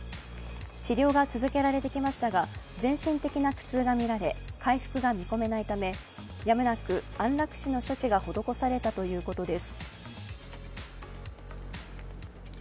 治療が続けられてきましたが、全身的な苦痛がみられ回復が見込めないため、やむなく安楽死の処置が施されたということです。